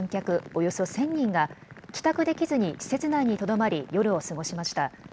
およそ１０００人が帰宅できずに施設内にとどまり夜を過ごしました。